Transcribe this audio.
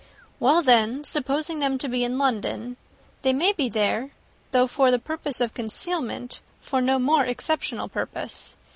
"Well, then, supposing them to be in London they may be there, though for the purpose of concealment, for no more exceptionable purpose.